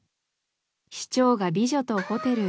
市長が美女とホテルへ。